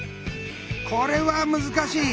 これは難しい。